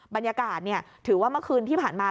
บรรยากาศถือว่าเมื่อคืนที่ผ่านมา